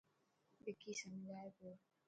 وڪي سمجهائي پيو.